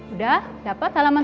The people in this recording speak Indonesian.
udah dapat halaman tiga puluh